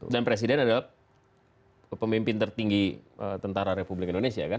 dan presiden adalah pemimpin tertinggi tentara republik indonesia kan